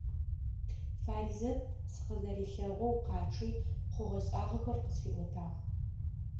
Фаризэт сыкъызэрилъэгъоу къачъи, хъугъэ-шӀагъэхэр къысфиӀотагъ.